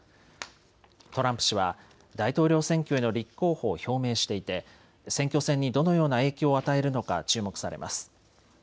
トランプ氏は大統領選挙への立候補を表明していて選挙戦にどのような影響を与えるのか注目されます。